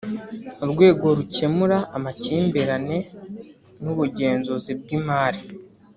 Urwego rukemura amakimbirane n’ubugenzuzi bw’imari